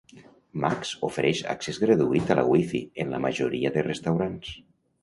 Max ofereix accés gratuït a la WiFi en la majoria de restaurants.